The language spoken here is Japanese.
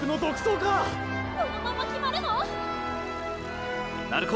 このまま決まるの⁉鳴子！！